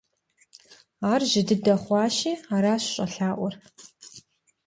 Ар жьы дыдэ хъуащи, аращ щӀэлъаӀуэр.